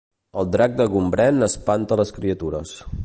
El drac de Gombrèn espanta les criatures